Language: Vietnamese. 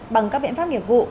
bằng các biện pháp nghiệp vụ